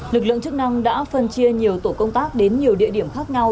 lực lượng chức năng đã phân chia nhiều tổ công tác đến nhiều địa điểm khác nhau